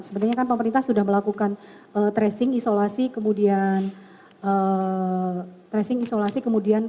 sebenarnya kan pemerintah sudah melakukan tracing isolasi kemudian